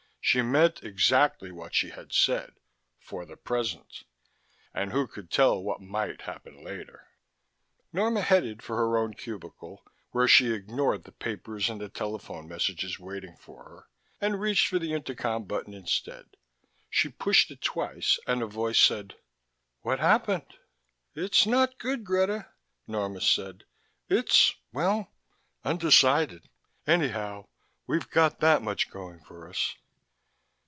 She meant exactly what she had said: "For the present." And who could tell what might happen later? Norma headed for her own cubicle, where she ignored the papers and the telephone messages waiting for her and reached for the intercom button instead. She pushed it twice and a voice said: "What happened?" "It's not good, Greta," Norma said. "It's well, undecided, anyhow: we've got that much going for us."